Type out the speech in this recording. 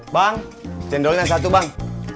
bang cendolnya satu bang